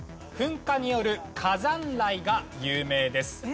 噴火による「火山雷」が有名です。